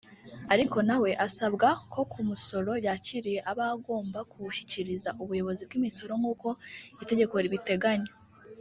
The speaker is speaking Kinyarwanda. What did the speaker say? Ariko na we asabwa ko umusoro yakiriye aba agomba kuwushyikiriza ubuyobozi bw’imisoro nk’uko itegeko ribiteganya